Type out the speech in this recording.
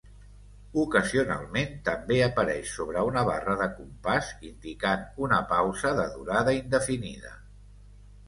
Ocasionalment també apareix sobre una barra de compàs indicant una pausa de durada indefinida.